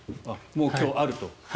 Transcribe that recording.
もう今日あると。